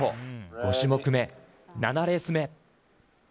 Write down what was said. ５種目め、７レース目。